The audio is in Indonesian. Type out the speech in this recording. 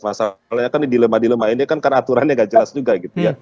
masalahnya kan dilema dilema ini kan karena aturannya nggak jelas juga gitu ya